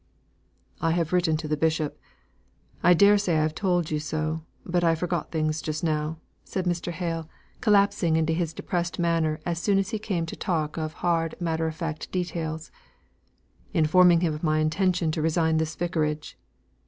"I have written to the bishop I dare say I have told you so, but I forget things just now," said Mr. Hale, collapsing into his depressed manner as soon as he came to talk of hard matter of fact details, "informing him of my intention to resign this vicarage.